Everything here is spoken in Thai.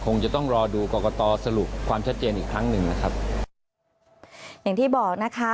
คงจะต้องรอดูกรกตสรุปความชัดเจนอีกครั้งหนึ่งนะครับอย่างที่บอกนะคะ